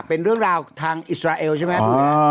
เป็นเรื่องราวทางอิสราเอลใช่ไหม